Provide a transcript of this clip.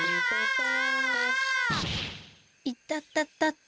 いたたたた。